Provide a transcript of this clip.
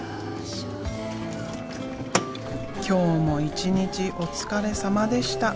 今日も一日お疲れさまでした。